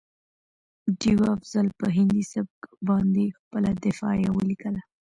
ډيوه افضل په هندي سبک باندې خپله دفاعیه ولیکه